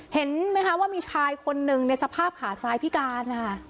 เห็นไหมคะว่ามีชายคนหนึ่งในสภาพขาซ้ายพิการนะคะ